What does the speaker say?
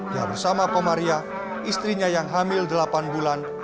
dia bersama komaria istrinya yang hamil delapan bulan